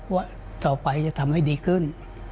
ว่าต่อไปจะทำให้ดีขึ้น